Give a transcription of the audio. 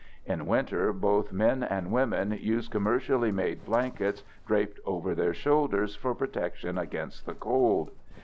In winter, both men and women use commercially made blankets draped over their shoulders for protection against the cold.